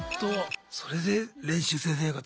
それで練習生生活